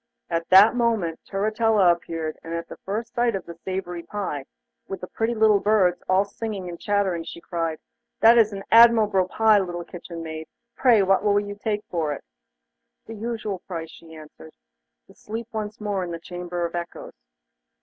At this moment Turritella appeared, and at the first sight of the savoury pie, with the pretty little birds all singing and chattering, she cried: 'That is an admirable pie, little kitchen maid. Pray what will you take for it?' 'The usual price,' she answered. 'To sleep once more in the Chamber of Echoes.